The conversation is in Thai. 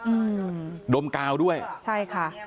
อืมดมกาวด้วยใช่ค่ะ